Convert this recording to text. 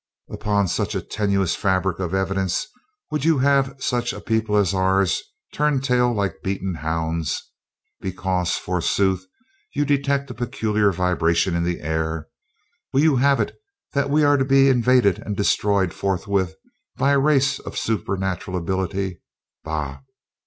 "Upon such a tenuous fabric of evidence would you have such a people as ours turn tail like beaten hounds? Because, forsooth, you detect a peculiar vibration in the air, will you have it that we are to be invaded and destroyed forthwith by a race of supernatural ability? Bah!